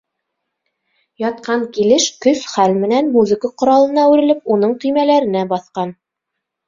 Ятҡан килеш көс-хәл менән музыка ҡоралына үрелеп уның төймәләренә баҫҡан.